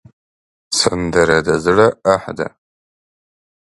سندره د زړه آه ده